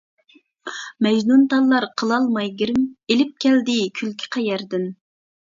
مەجنۇنتاللار قىلالماي گىرىم، ئېلىپ كەلدى كۈلكە قەيەردىن.